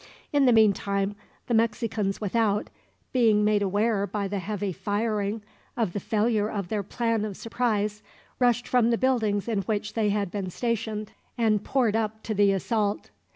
In the meantime, the Mexicans without, being made aware by the heavy firing of the failure of their plan of surprise, rushed from the buildings in which they had been stationed, and poured up to the assault.